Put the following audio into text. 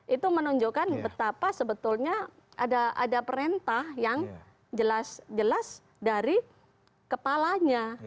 itu menunjukkan betapa sebetulnya ada perintah yang jelas dari kepalanya